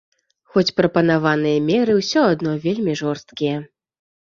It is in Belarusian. Хоць прапанаваныя меры ўсё адно вельмі жорсткія.